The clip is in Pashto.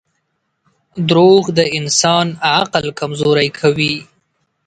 • دروغ د انسان عقل کمزوری کوي.